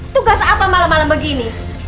tugas apa malam malam begini